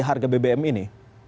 harga bbm ini